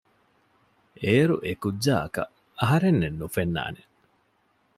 އޭރު އެކުއްޖާއަކަށް އަހަރެންނެއް ނުފެންނާނެ